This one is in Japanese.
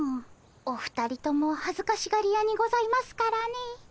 お二人とも恥ずかしがり屋にございますからね。